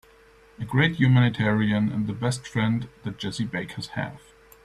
A great humanitarian and the best friend the Jessie Bakers have.